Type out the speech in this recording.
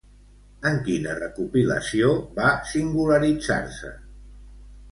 En quina recopilació va singularitzar-se?